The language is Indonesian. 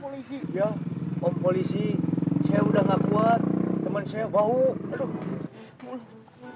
polisi ya om polisi saya udah nggak buat teman saya bau aduh mulai